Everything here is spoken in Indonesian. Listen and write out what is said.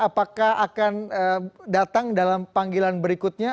apakah akan datang dalam panggilan berikutnya